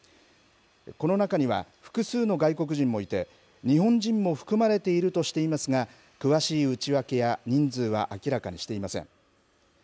この中には複数の外国人もいて、日本人も含まれているとしていますが、詳しい内訳や人数は明らかにしていません。